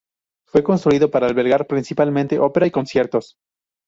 Fue construido para albergar principalmente ópera y conciertos.